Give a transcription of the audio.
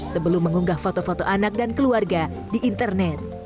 sebelum mengunggah foto foto anak dan keluarga di internet